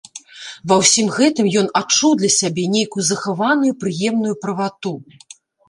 Ва ўсім гэтым ён адчуў для сябе нейкую захаваную прыемную правату.